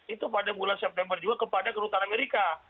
itu pada bulan september juga kepada kedutaan amerika